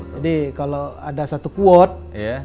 jadi kalau ada satu quote